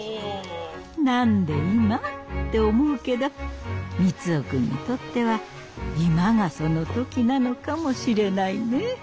何で今？って思うけど三生君にとっては今がその時なのかもしれないね。